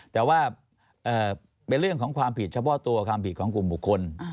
แต่ว่าเป็นเรื่องของความผิดเฉพาะตัวความผิดของกลุ่มบุคคล